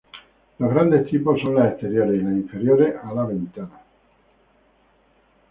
Los grandes tipos son las exteriores y las interiores a la ventana.